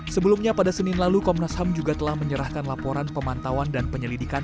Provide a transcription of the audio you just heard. sebelumnya pada senin lalu komnas ham juga telah menyerahkan laporan pemantauan dan penyelidikan